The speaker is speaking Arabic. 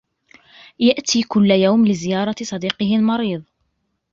يأتي كل يوم لزيارة صديقه المريض.